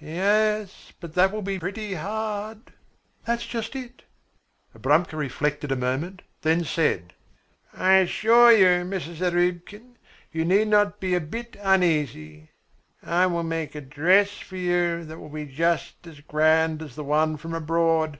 Yes, but that will be pretty hard." "That's just it." Abramka reflected a moment, then said: "I assure you, Mrs. Zarubkin, you need not be a bit uneasy. I will make a dress for you that will be just as grand as the one from abroad.